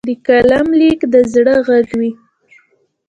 د قلم لیک د زړه غږ وي.